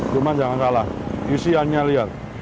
cuma jangan kalah isiannya lihat